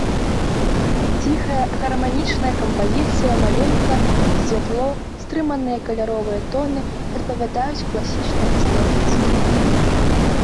Ціхая, гарманічная кампазіцыя малюнка, святло, стрыманыя каляровыя тоны адпавядаюць класічнай эстэтыцы.